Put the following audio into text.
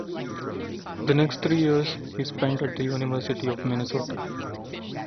The next three years he spent at the University of Minnesota.